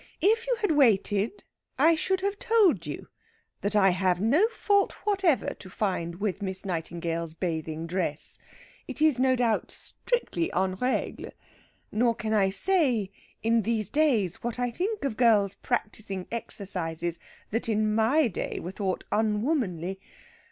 If you had waited, I should have told you that I have no fault whatever to find with Miss Nightingale's bathing dress. It is, no doubt, strictly en règle. Nor can I say, in these days, what I think of girls practising exercises that in my day were thought unwomanly.